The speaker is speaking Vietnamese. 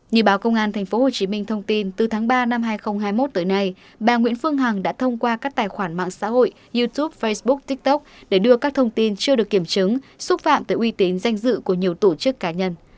như báo công an tp hcm thông tin từ tháng ba năm hai nghìn hai mươi một tới nay bà nguyễn phương hằng đã thông qua các tài khoản mạng xã hội youtube facebook tiktok để đưa các thông tin chưa được kiểm chứng xúc phạm tới uy tín danh dự của nhiều tổ chức cá nhân